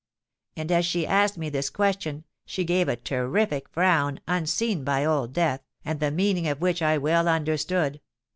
'—and, as she asked me this question, she gave a terrific frown, unseen by Old Death, and the meaning of which I well understood.